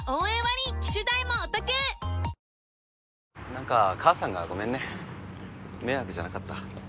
何か母さんがごめんね迷惑じゃなかった？